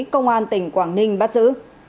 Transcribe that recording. công an tỉnh quảng ninh bắt giữ